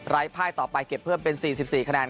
ภายต่อไปเก็บเพิ่มเป็น๔๔คะแนน